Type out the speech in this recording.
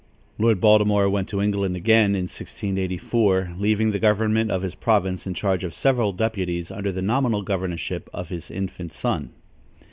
Lord Baltimore went to England again, in 1684, leaving the government of his province in charge of several deputies under the nominal governorship of his infant son.